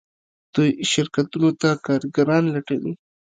دوی شرکتونو ته کارګران لټوي.